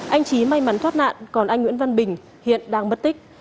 anh trí may mắn thoát nạn còn anh nguyễn văn bình hiện đang mất tích